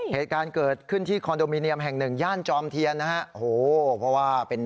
เหตุการณ์เกิดขึ้นที่คอนโดมิเนียมแห่งหนึ่งย่านจอมเทียนนะฮะ